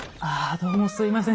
どうもすいません。